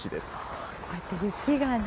こうやって雪がね。